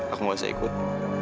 aku gak usah ikut